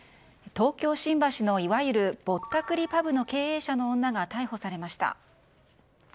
東京・新橋のいわゆるぼったくりパブの経営者の女が逮捕されました。